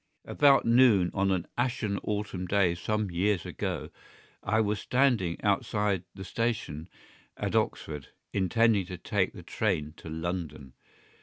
..... About noon of an ashen autumn day some years ago I was standing outside the station at Oxford intending to take the train to London.